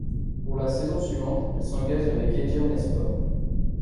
Pour la saison suivante, elle s'engage avec Edirnespor.